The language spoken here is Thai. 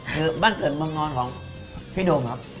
คือบั้นเกิดวันนอนของพี่โดมครับ